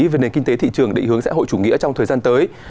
về nền kinh tế thị trường định hướng xã hội chủ nghĩa trong thời gian tới